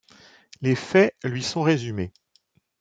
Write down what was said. Les faits lui sont résumés.